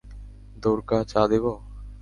দ্বোরকা, চা দেব?